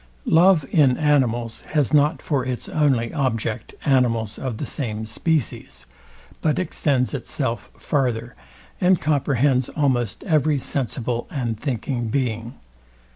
Love in animals, has not for its only object animals of the same species, but extends itself farther, and comprehends almost every sensible and thinking being.